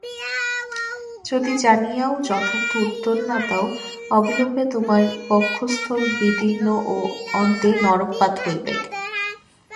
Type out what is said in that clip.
যদি জানিয়াও যথার্থ উত্তর না দাও অবিলম্বে তোমার বক্ষঃস্থল বিদীর্ণ ও অন্তে নরকপাত হইবেক।